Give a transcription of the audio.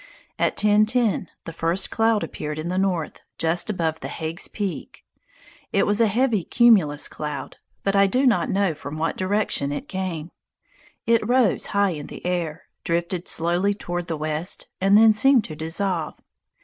At 10.10 the first cloud appeared in the north, just above Hague's Peak. It was a heavy cumulus cloud, but I do not know from what direction it came. It rose high in the air, drifted slowly toward the west, and then seemed to dissolve.